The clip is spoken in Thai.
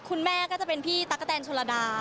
คุณแม่ก็จะเป็นพี่ตั๊กกะแตนชนระดา